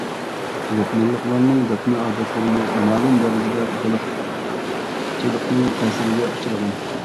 لوپنۇرلۇقلارنىڭ دەپنە ئادەتلىرىمۇ مەلۇم دەرىجىدە بېلىقچىلىقنىڭ تەسىرىگە ئۇچرىغان.